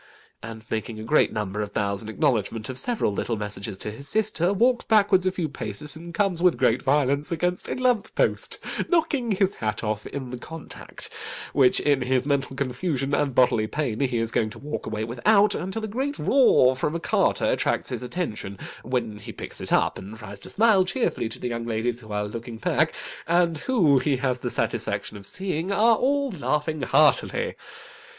And making a great number of bows in acknowledgment of several little messages to his sister, walks backward a few paces, and comes with great violence against a lamp post, knocking his hat off in the contact, which in his mental confusion and bodily pain he is going to walk away without, until a great roar from a carter attracts his attention, when he picks it up, and tries to smile cheerfully to the young ladies, who are looking back, and who, he has the satisfaction of seeing, are all laughing heartily.